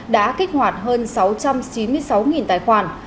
đã kích hoạt hơn sáu trăm chín mươi sáu tài khoản